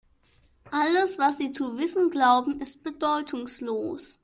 Alles, was Sie zu wissen glauben, ist bedeutungslos.